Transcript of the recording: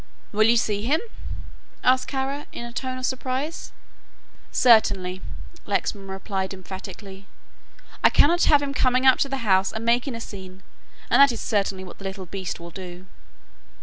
"Will you see him?" asked Kara, in a tone of surprise. "Certainly," Lexman replied emphatically: "I cannot have him coming up to the house and making a scene and that is certainly what the little beast will do."